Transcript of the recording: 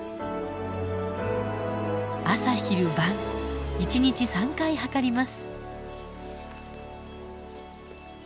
朝昼晩１日３回量ります。